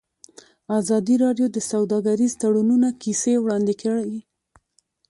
ازادي راډیو د سوداګریز تړونونه کیسې وړاندې کړي.